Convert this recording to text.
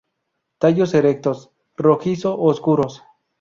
Tallos erectos, rojizo-oscuros.